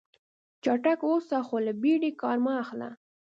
چټک اوسه خو له بیړې کار مه اخله.